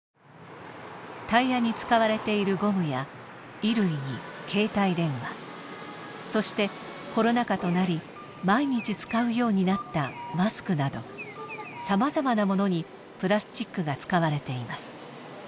タイヤに使われているゴムや衣類に携帯電話そしてコロナ禍となり毎日使うようになったマスクなどさまざまなものにプラスチックが使われています。